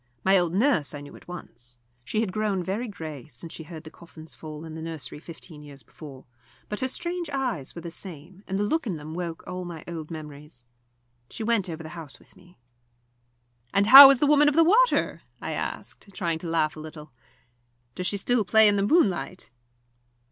My old nurse I knew at once. She had grown very grey since she heard the coffins fall in the nursery fifteen years before, but her strange eyes were the same, and the look in them woke all my old memories. She went over the house with me. "And how is the Woman of the Water?" I asked, trying to laugh a little. "Does she still play in the moonlight?"